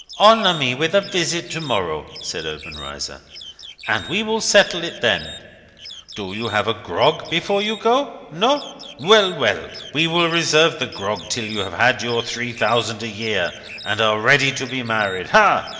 "Honour me with a visit to morrow," said Obenreizer, "and we will settle it then. Do have a grog before you go! No? Well! well! we will reserve the grog till you have your three thousand a year, and are ready to be married. Aha!